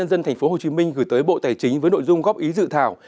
dân tp hcm gửi tới bộ tài chính với nội dung góp ý dự thảo